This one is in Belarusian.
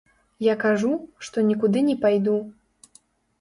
Я кажу, што нікуды не пайду.